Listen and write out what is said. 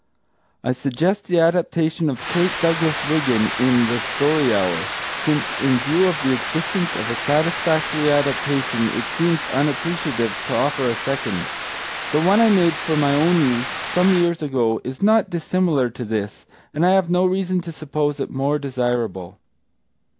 I suggest the adaptation of Kate Douglas Wiggin, in The Story Hour, since in view of the existence of a satisfactory adaptation it seems unappreciative to offer a second. The one I made for my own use some years ago is not dissimilar to this, and I have no reason to suppose it more desirable.